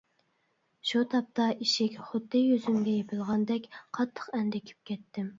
شۇ تاپتا ئىشىك خۇددى يۈزۈمگە يېپىلغاندەك قاتتىق ئەندىكىپ كەتتىم.